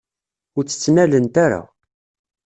Ur tt-ttnalent ara.